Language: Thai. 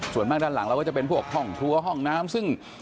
ส่วนมากด้านหลังเราก็จะเป็นพวกห้องครัวห้องน้ำซึ่ง